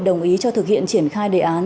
đồng ý cho thực hiện triển khai đề án